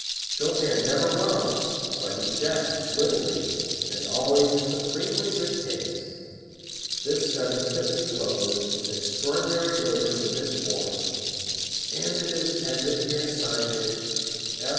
Chopin never romps, but he jests wittily, and always in supremely good taste. This study fitly closes his extraordinary labors in this form, and it is as if he had signed it "F.